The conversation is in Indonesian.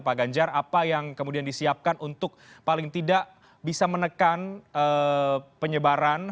pak ganjar apa yang kemudian disiapkan untuk paling tidak bisa menekan penyebaran